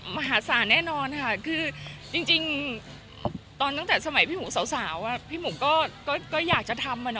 มหาศาลแน่นอนค่ะคือจริงตอนตั้งแต่สมัยพี่หมูสาวพี่หมูก็อยากจะทำ